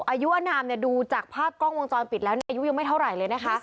อายุอนามดูจากภาพกล้องวงจรปิดแล้วอายุยังไม่เท่าไหร่เลยนะคะ